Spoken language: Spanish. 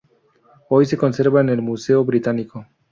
Hoy se conserva en el Museo Británico.